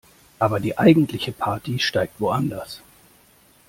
Aber die eigentliche Party steigt woanders.